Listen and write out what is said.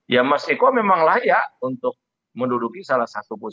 ya mas eko memang layak untuk menduduki salah satu perusahaan